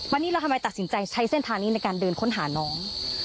วันนี้เราทำไมตัดสินใจใช้เส้นทางนี้ในการเดินค้นหาน้อง